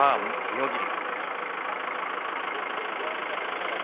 東、妙義龍。